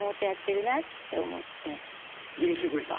許してくれた？